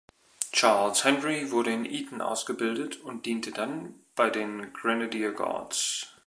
Charles Henry wurde in Eton ausgebildet und diente dann bei den Grenadier Guards.